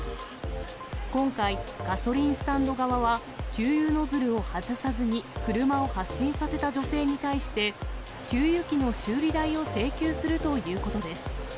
今回、ガソリンスタンド側は、給油ノズルを外さずに、車を発進させた女性に対して、給油機の修理代を請求するということです。